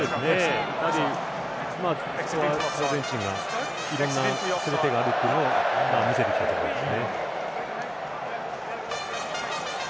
やはりアルゼンチンがいろんな攻め手があるというのを見せてきたと思います。